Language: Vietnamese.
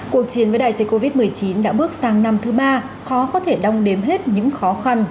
cuộc chiến với đại dịch covid một mươi chín đã bước sang năm thứ ba khó có thể đong đếm hết những khó khăn